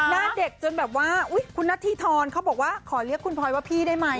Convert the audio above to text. หน้าเด็กจนแบบว่าคุณนัทธิธรเขาบอกว่าขอเรียกคุณพลอยว่าพี่ได้ไหม